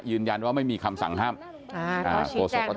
ยืนยันว่าไม่มีคำสั่งห้าม